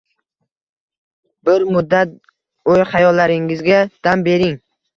Bir muddat o`y xayollaringizga dam bering